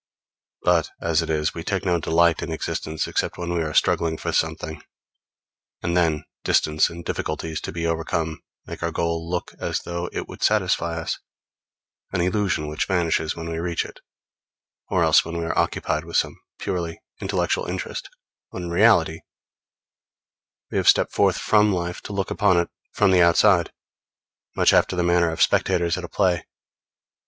But as it is, we take no delight in existence except when we are struggling for something; and then distance and difficulties to be overcome make our goal look as though it would satisfy us an illusion which vanishes when we reach it; or else when we are occupied with some purely intellectual interest when in reality we have stepped forth from life to look upon it from the outside, much after the manner of spectators at a play.